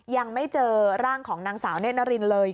ยังไม่เจอร่างของนางสาวเนธนารินเลย